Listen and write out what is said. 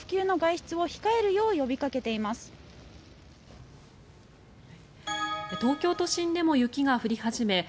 東京都心でも雪が降り始め